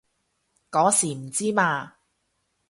嗰時唔知嘛